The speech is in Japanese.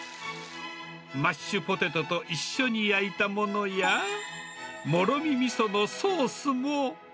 マッシュポテトと一緒に焼いたものや、もろみみそのソースも。